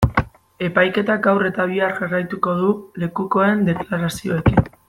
Epaiketak gaur eta bihar jarraituko du lekukoen deklarazioekin.